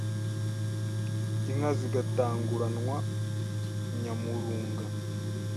Inka zigatanguranwa Nyamurunga